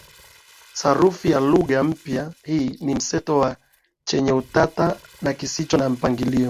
Sarufi ya lugha mpya hii ni mseto wa chenye utata na kisicho na mpangilio